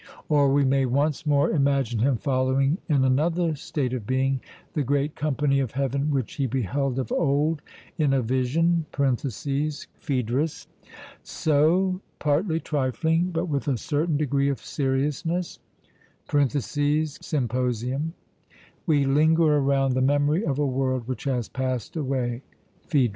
Or we may once more imagine him following in another state of being the great company of heaven which he beheld of old in a vision (Phaedr.). So, 'partly trifling, but with a certain degree of seriousness' (Symp.), we linger around the memory of a world which has passed away (Phaedr.).